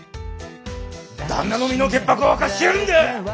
旦那の身の潔白を明かしてやるんだよ！